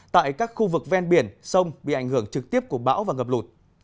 tại các khu vực ven biển sông bị ảnh hưởng trực tiếp của bão và ngập lụt